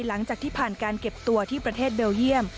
หลังจากที่ผ่านการเก็บตัวที่ประเทศเบลเยี่ยม